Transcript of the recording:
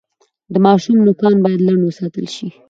د ماشوم نوکان باید لنډ وساتل شي۔